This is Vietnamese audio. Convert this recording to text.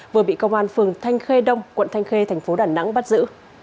vừa bị công an phường thanh khê đông quận thanh khê thành phố đà nẵng bắt giữ